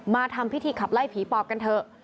มาทำพิธีขับไล่ผีปอบกันเถอะ